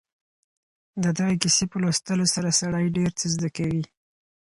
د دغې کیسې په لوستلو سره سړی ډېر څه زده کوي.